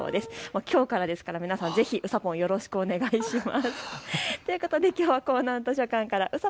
きょうからですから、皆さん、うさぽんをよろしくお願いします。